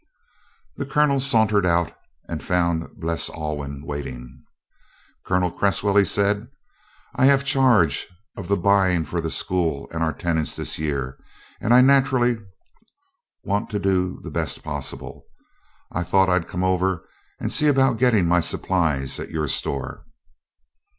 The Colonel sauntered out and found Bles Alwyn waiting. "Colonel Cresswell," he said, "I have charge of the buying for the school and our tenants this year and I naturally want to do the best possible. I thought I'd come over and see about getting my supplies at your store."